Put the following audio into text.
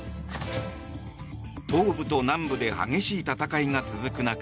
東部と南部で激しい戦いが続く中